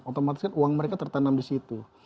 otomatis kan uang mereka tertanam di situ